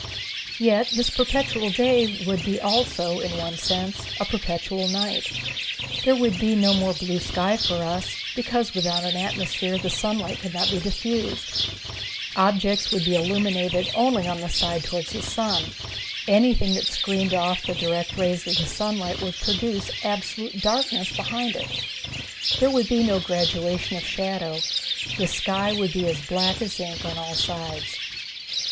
Yet this perpetual day would be also, in one sense, a perpetual night. There would be no more blue sky for us, because without an atmosphere the sunlight could not be diffused. Objects would be illuminated only on the side toward the sun. Anything that screened off the direct rays of sunlight would produce absolute darkness behind it. There would be no graduation of shadow. The sky would be as black as ink on all sides.